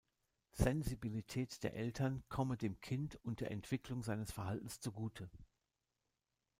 Sensibilität der Eltern komme dem Kind und der Entwicklung seines Verhaltens zugute.